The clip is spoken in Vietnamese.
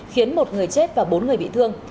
khiến một người chết và bốn người bị thương